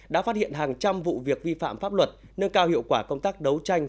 đã phát hiện hàng trăm vụ việc vi phạm pháp luật nâng cao hiệu quả công tác đấu tranh